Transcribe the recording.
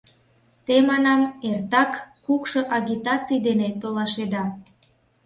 Те, манам, эртак кукшо агитаций дене толашеда.